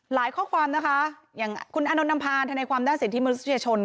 หลายข้อความนะคะอย่างคุณอนุนัมพาณในความด้านสิทธิมนุษยชน